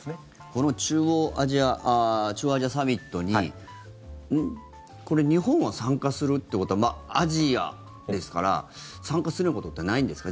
この中央アジアサミットにこれ、日本は参加するってことはアジアですから参加することってないんですか？